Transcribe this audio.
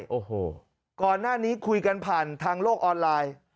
โอ้โหก่อนหน้านี้คุยกันผ่านทางโลกออนไลน์